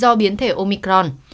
do biến thể omicron